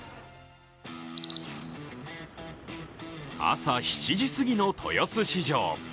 朝７時すぎの豊洲市場。